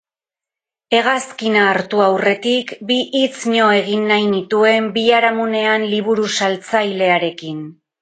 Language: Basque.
Hegazkina hartu aurretik, bi hitzño egin nahi nituen biharamunean liburu-saltzailearekin.